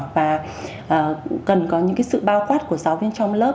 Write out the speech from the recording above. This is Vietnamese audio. và cần có những sự bao quát của giáo viên trong lớp